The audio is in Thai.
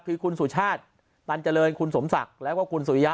คือคุณสุชาติตันเจริญคุณสมศักดิ์แล้วก็คุณสุริยะ